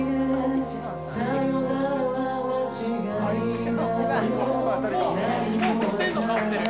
１番もう５点の顔してる。